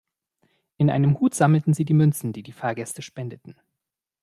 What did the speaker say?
In einem Hut sammelten Sie die Münzen, die die Fahrgäste spendeten.